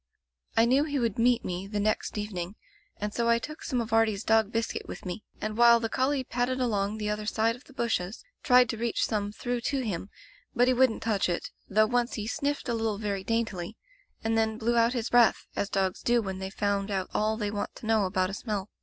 " I knew he would meet me the next even ing, and so I took some of Artie's dog biscuit with me, and while the collie padded along the other side of the bushes, tried to reach some through to him, but he wouldn't touch it, though once he sniffed a little very daintily, and then blew out his breath, as dogs do when they've found out all they want to know about a smell.